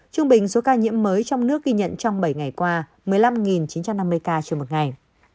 trung bình số ca nhiễm mới trong nước ghi nhận trong bảy ngày qua một mươi năm chín trăm năm mươi ca trên một ngày